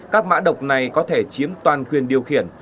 các mã độc này có thể chiếm toàn quyền điều khiển